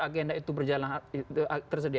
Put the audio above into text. agenda itu tersedia